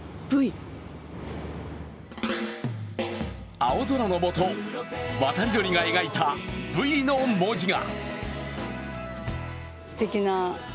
青空のもと、渡り鳥が描いたＶの文字が。